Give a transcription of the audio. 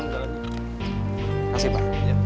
gak ada apa apa